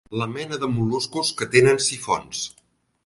La mena de mol·luscos que tenen sifons.